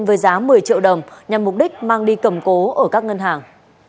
với giá một mươi triệu đồng nhằm mục đích mang đi cầm cố ở các ngân hàng